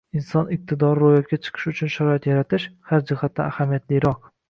Inson iqtidori ro‘yobga chiqishi uchun sharoit yaratish — har jihatdan ahamiyatliroq